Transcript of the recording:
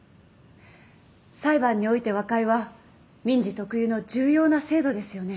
裁判において和解は民事特有の重要な制度ですよね？